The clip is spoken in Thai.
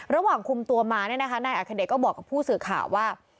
ระหว่างคุมตัวมาเนี่ยนะคะนายอัคเดชก็บอกกับผู้สื่อข่าวว่า